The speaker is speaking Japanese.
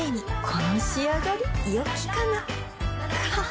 この仕上がりよきかなははっ